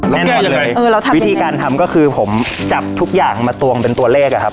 แน่นอนเลยเออเราทำยังไงวิธีการทำก็คือผมจับทุกอย่างมาตรวงเป็นตัวเลขอะครับ